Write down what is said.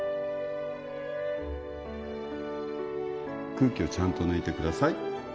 空気をちゃんと抜いてください